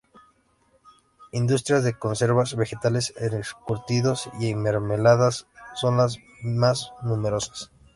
Industrias de conservas vegetales, encurtidos y mermeladas son las más numerosas.